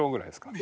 え！